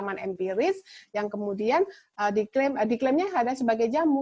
pengalaman empiris yang kemudian diklaimnya sebagai jamu